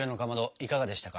いかがでしたか？